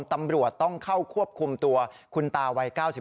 ตำรวจต้องเข้าควบคุมตัวคุณตาวัย๙๒